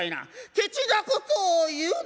「ケチなことを言うな」。